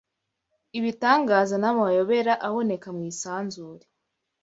ibitangaza n’amayobera aboneka mu isanzure